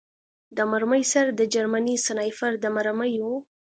د مرمۍ سر د جرمني سنایپر د مرمۍ و